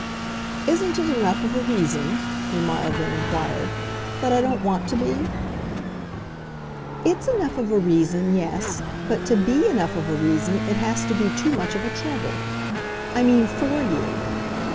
"Isn't it enough of a reason," he mildly inquired, "that I don't want to be?" "It's enough of a reason, yes. But to BE enough of a reason it has to be too much of a trouble. I mean FOR you.